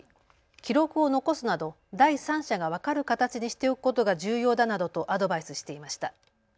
記録を残すなど第三者が分かる形でしておくことが重要だなどとアドバイスしていました。